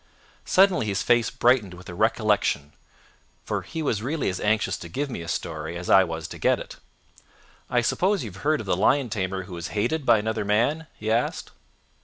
Suddenly his face brightened with a recollection, for he was really as anxious to give me a story as I was to get it. "I suppose you've heard of the lion tamer who was hated by another man?" he asked.